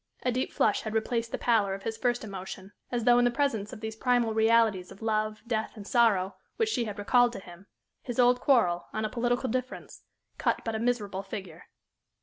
A deep flush had replaced the pallor of his first emotion, as though in the presence of these primal realities of love, death, and sorrow which she had recalled to him, his old quarrel, on a political difference, cut but a miserable figure.